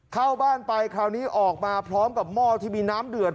เข้าบ้านไปคราวนี้ออกมาพร้อมกับหม้อที่มีน้ำเดือด